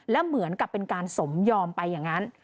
และเหมือนกับเป็นการสมยอมไปอย่างนั้น